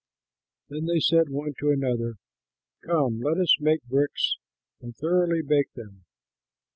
Then they said one to another, "Come, let us make bricks and thoroughly bake them."